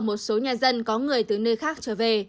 một số nhà dân có người từ nơi khác trở về